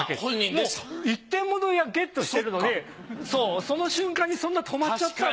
もう一点ものゲットしてるのでその瞬間に止まっちゃったら。